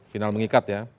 final mengikat ya